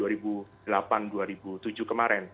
atau tahun dua ribu tujuh kemarin